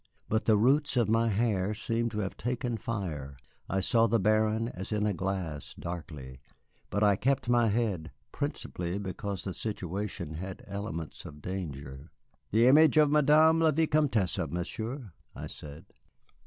But the roots of my hair seemed to have taken fire. I saw the Baron as in a glass, darkly. But I kept my head, principally because the situation had elements of danger. "The image of Madame la Vicomtesse, Monsieur," I said.